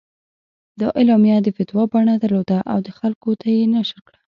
دا اعلامیه د فتوا بڼه درلوده او خلکو ته یې نشر کړه.